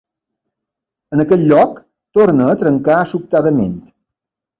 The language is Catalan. En aquest lloc torna a trencar sobtadament.